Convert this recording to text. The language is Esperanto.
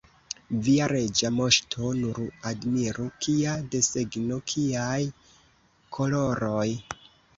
Via Reĝa Moŝto nur admiru, kia desegno, kiaj koloroj!